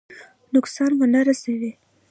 نقصان ونه رسوي.